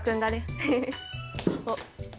おっ。